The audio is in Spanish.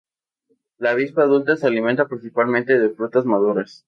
La avispa adulta se alimenta principalmente de frutas maduras.